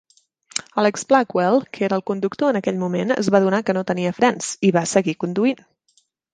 Alex Blackwell, que era el conductor en aquell moment, es va adonar que no tenia frens, i va seguir conduint.